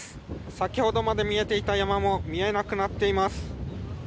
先ほどまで見えていた山も見えなくなっています。